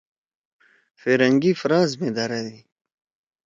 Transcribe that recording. فرنگی فرانس می دھرَدی۔